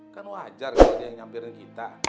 kan wajar kalau dia nyamperin kita